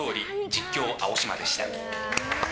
実況、青嶋でした。